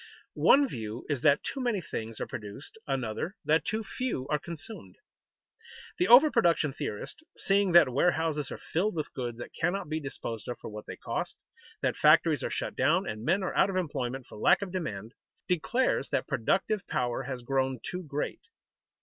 One view is that too many things are produced, another that too few are consumed. The over production theorist, seeing that warehouses are filled with goods that cannot be disposed of for what they cost, that factories are shut down and men are out of employment for lack of demand, declares that productive power has grown too great.